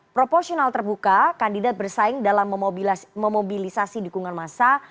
proporsional terbuka kandidat bersaing dalam memobilisasi dukungan massa